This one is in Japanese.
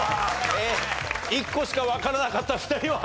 １個しかわからなかった２人は。